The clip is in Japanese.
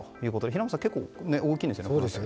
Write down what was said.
平松さん、結構大きいんですよね。